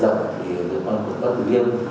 thì đối quân quận bắc tử liêm